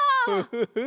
フフフ。